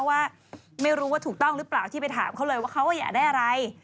ว่าไม่รู้ว่าถูกต้องหรือเปล่าที่ไปถามเขาเลยว่าเขาอยากได้อะไร